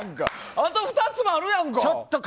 あと２つもあるやんか！